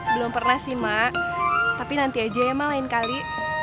belum pernah sih mak tapi nanti aja ya mak lain kali